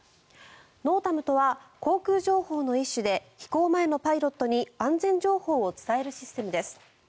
ＮＯＴＡＭとは航空情報の一種で飛行前のパイロットに安全情報を伝えるシステムです。